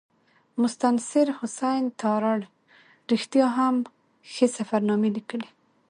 مستنصر حسین تارړ رښتیا هم ښې سفرنامې لیکلي.